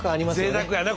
ぜいたくやね。